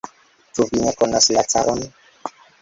Ĉu vi ne konas la caron?